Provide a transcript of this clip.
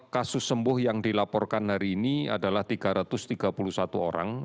kasus sembuh yang dilaporkan hari ini adalah tiga ratus tiga puluh satu orang